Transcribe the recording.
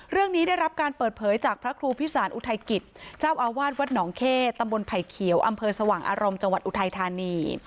ได้รับการเปิดเผยจากพระครูพิสารอุทัยกิจเจ้าอาวาสวัดหนองเข้ตำบลไผ่เขียวอำเภอสว่างอารมณ์จังหวัดอุทัยธานี